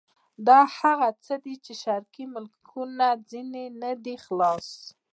دا هغه څه دي چې شرقي ملکونه ځنې نه دي خلاص.